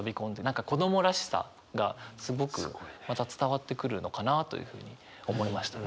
何か子供らしさがすごくまた伝わってくるのかなというふうに思いましたね。